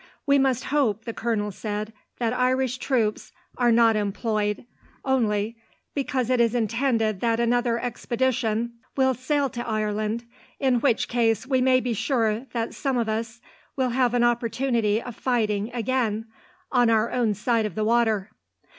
"We must hope," the colonel said, "that Irish troops are not employed, only because it is intended that another expedition will sail to Ireland, in which case we may be sure that some of us will have an opportunity of fighting, again, on our own side of the water.